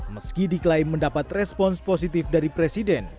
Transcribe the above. meski diklaim mendapat respons positif dari presiden